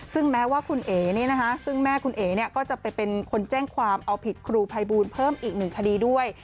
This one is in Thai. ซึ่งแม้ว่าคุณเอ๋ซึ่งแม่คุณเอ๋ก็จะไปเป็นคนแจ้งความเอาผิดครูภัยบูลเพิ่มอีกหนึ่งคดีด้วย